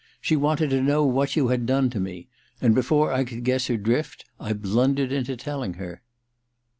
She wanted to know what you had done to me ; and before I could guess her drift I blundered into telling her.